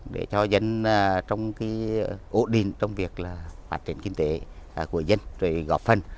để cho dân trong ổ định